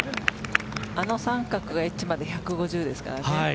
あの三角がエッジまで１５０ですからね。